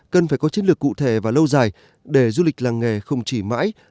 cần phải có chiến lược cụ thể và lâu dài để du lịch làng nghề không chỉ mãi